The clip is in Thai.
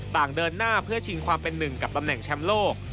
ต่างเดินหน้าเพื่อชิงความเป็นหนึ่งกับตำแหน่งแชมป์โลก